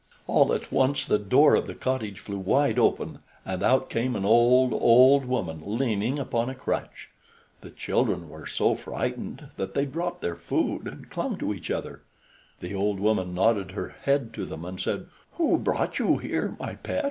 All at once the door of the cottage flew wide open, and out came an old, old woman, leaning upon a crutch. The children were so frightened that they dropped their food and clung to each other. The old woman nodded her head to them, and said: "Who brought you here, my pets?